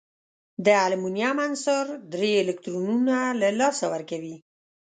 د المونیم عنصر درې الکترونونه له لاسه ورکوي.